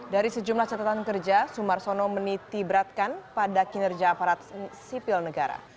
dari sejumlah catatan kerja sumarsono menitibratkan pada kinerja aparat sipil negara